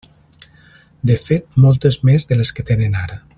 De fet, moltes més de les que tenen ara.